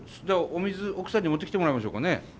じゃあお水奥さんに持ってきてもらいましょうかね。